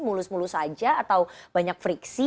mulus mulus saja atau banyak friksi